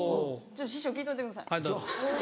師匠聞いとってください。